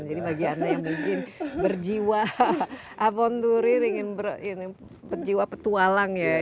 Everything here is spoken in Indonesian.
jadi bagiannya yang bikin berjiwa avonturi berjiwa petualang ya